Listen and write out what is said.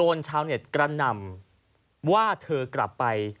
ชาวเน็ตกระหน่ำว่าเธอกลับไป